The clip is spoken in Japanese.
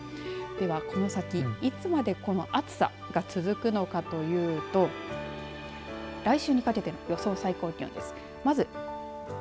では、この先いつまでこの暑さが続くのかというと来週にかけての予想最高気温です。